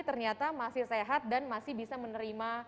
ternyata masih sehat dan masih bisa menerima